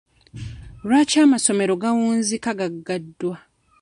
Lwaki amasomero gawunzika gaggaddwa?